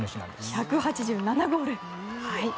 １８７ゴール！